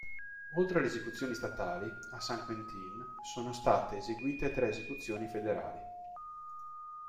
Oltre alle esecuzioni statali, a San Quentin sono state eseguite tre esecuzioni federali.